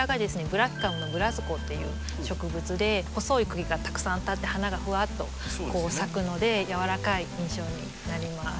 ブラキカムのブラスコっていう植物で細い茎がたくさん立って花がふわっと咲くのでやわらかい印象になります。